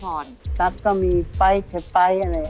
พรรคก็มีไปเชฟไปอะไร